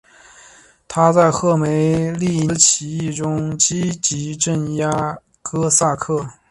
他在赫梅利尼茨基起义中积极镇压哥萨克。